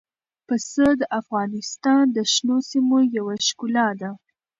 پسه د افغانستان د شنو سیمو یوه ښکلا ده.